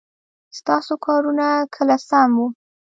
ستاسو کارونه کله سم وه ؟